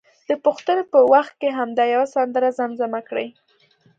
د پوښتنې په وخت کې همدا یوه سندره زمزمه کړي.